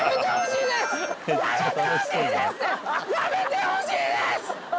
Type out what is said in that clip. やめてほしいです！